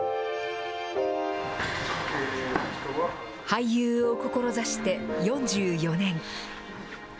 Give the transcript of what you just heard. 俳優を志して４４年。